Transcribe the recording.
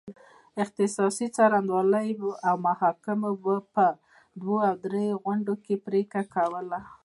اختصاصي څارنوالۍ او محاکمو به په دوه یا درې غونډو کې پرېکړه کوله.